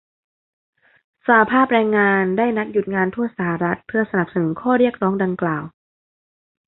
สหภาพแรงงานได้นัดหยุดงานทั่วสหรัฐ เพื่อสนับสนุนข้อเรียกร้องดังกล่าว